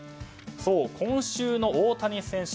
今週の大谷選手